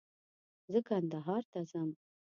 زه کندهار ته ځم